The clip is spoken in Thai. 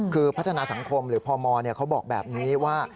คือพัฒนาสังคมหรือพมเขาบอกแบบนี้ว่า